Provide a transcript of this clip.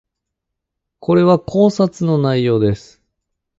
これは考察の内容です